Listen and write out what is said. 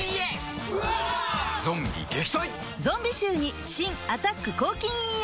ゾンビ臭に新「アタック抗菌ＥＸ」